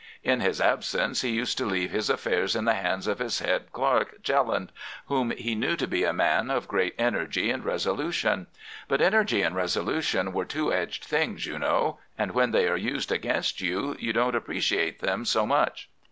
In his absence he used to leave his affairs in the hands of his head clerk, Jelland, whom he knew to be a man of great energy and resolution. But energy and resolution are two edged things, you know, and when they are used against you you don't appreciate them so much.